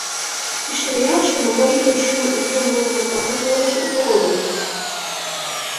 Пиштеръялыште могай ӱдыр шӱм Выюн мурымым куанен колыштын огыл гын!..